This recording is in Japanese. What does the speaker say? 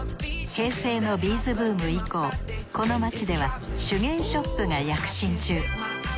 平成のビーズブーム以降この街では手芸ショップが躍進中。